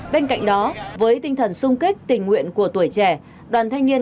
bên cạnh đó với tinh thần sung kích tình nguyện của tuổi trẻ